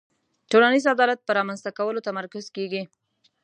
ټولنیز عدالت په رامنځته کولو تمرکز کیږي.